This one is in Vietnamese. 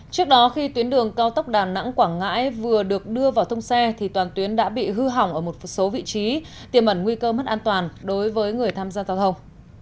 trước đó khi tuyến đường cao tốc đà nẵng quảng ngãi vừa được đưa vào thông xe thì toàn tuyến đã bị hư hỏng ở một số vị trí tiềm ẩn nguy cơ mất an toàn đối với người tham gia giao thông